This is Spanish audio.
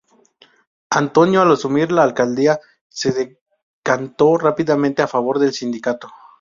Antonio, al asumir la alcaldía se decantó rápidamente a favor del sindicato.